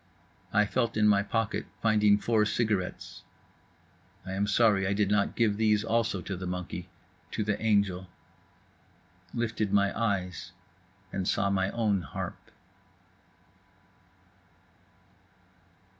I felt in my pocket, finding four cigarettes. I am sorry I did not give these also to the monkey—to the angel. Lifted my eyes and saw my own harp.